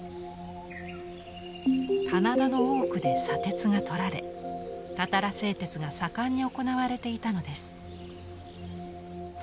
棚田の多くで砂鉄がとられたたら製鉄が盛んに行われていたのです。